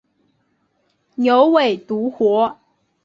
牛尾独活